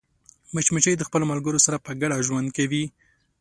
مچمچۍ د خپلو ملګرو سره په ګډه ژوند کوي